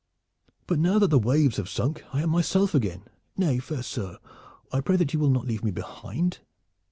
"But now that the waves have sunk I am myself again. Nay, fair sir, I pray that you will not leave me behind."